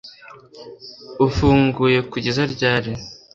ufunguye kugeza ryari